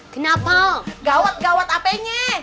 kenapa gawat gawat apenya